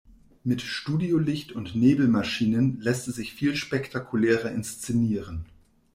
Mit Studiolicht und Nebelmaschinen lässt es sich viel spektakulärer inszenieren.